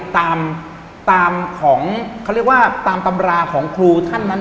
ตามตัมราของครูท่านนั้น